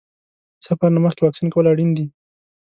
د سفر نه مخکې واکسین کول اړین دي.